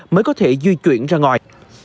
mới có thể di chuyển ra ngoài